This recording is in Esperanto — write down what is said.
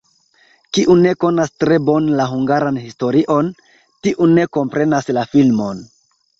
Kiu ne konas tre bone la hungaran historion, tiu ne komprenas la filmon.